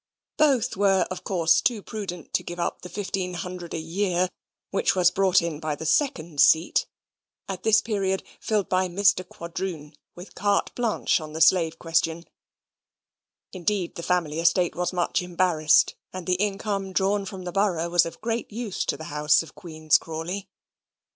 Both were of course too prudent to give up the fifteen hundred a year which was brought in by the second seat (at this period filled by Mr. Quadroon, with carte blanche on the Slave question); indeed the family estate was much embarrassed, and the income drawn from the borough was of great use to the house of Queen's Crawley.